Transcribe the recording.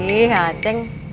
ih ah ceng